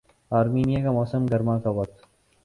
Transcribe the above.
Armenia کا موسم گرما کا وقت